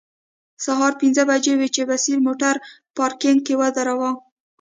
سهار پنځه بجې وې چې بصیر موټر پارکینګ کې ودراوه.